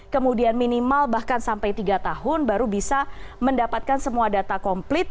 kemudian minimal bahkan sampai tiga tahun baru bisa mendapatkan semua data komplit